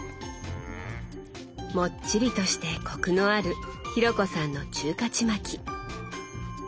もっちりとしてこくのある紘子さんの中華ちまき。